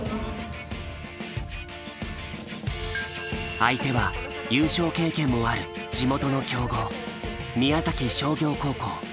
相手は優勝経験もある地元の強豪宮崎商業高校。